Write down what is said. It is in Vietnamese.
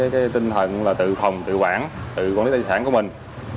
cái tinh thần là tự phòng tự quản tự quản lý tài sản của mình